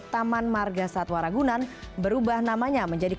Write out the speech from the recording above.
taman marga satwa ragunan berubah namanya menjadi